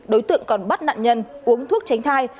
đối tượng còn bắt nạn nhân uống thuốc tránh thai